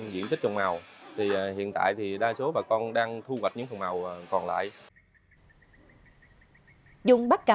diện tích trồng màu thì hiện tại thì đa số bà con đang thu hoạch những phần màu còn lại dùng bắc cà